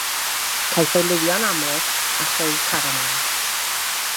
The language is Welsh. Caiff ei liwio'n aml â lliw caramel.